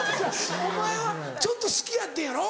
お前はちょっと好きやってんやろ？